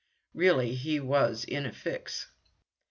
Really he was in a fix.